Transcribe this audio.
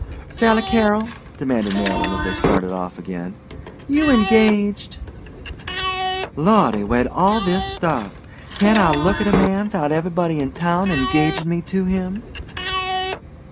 "Sally Carrol," demanded Marylyn as they started of again, "you engaged?" "Lawdy, where'd all this start? Can't I look at a man 'thout everybody in town engagin' me to him?"